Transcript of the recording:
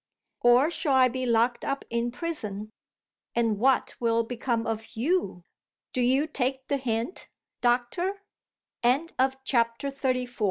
Or shall I be locked up in prison? And what will become of You? Do you take the hint, doctor? CHAPTER XXXV MY LADY'S MIN